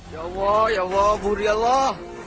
ya allah ya allah buri allah